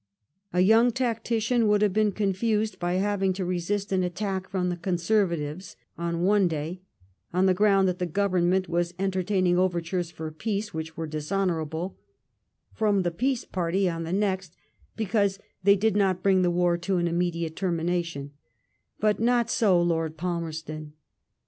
A young tactician would have been confused by having to resist an attack from the Conservatives, on one day, on the ground that the Government was entertaining overtures for peace which were dishonourable ; from the Peace party, on the next^ because they did not bring the war to an immediate termination ; but not so Lord Palmerston.